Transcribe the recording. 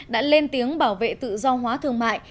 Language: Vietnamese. đã lên tiếng bảo vệ tự do hóa thương mại